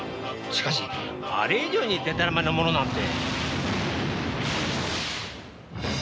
しかしあれ以上にでたらめなものなんて。